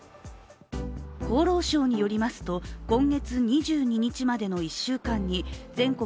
厚労省によりますと今月２２日までの１週間に全国